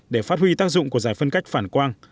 để phát huy tác dụng của giải phân cách phản quang